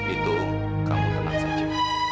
itu om kamu tenang saja